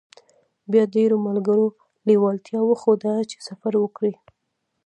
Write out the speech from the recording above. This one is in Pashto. بيا ډېرو ملګرو لېوالتيا وښوده چې سفر وکړي.